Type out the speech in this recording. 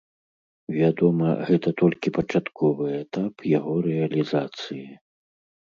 Вядома, гэта толькі пачатковы этап яго рэалізацыі.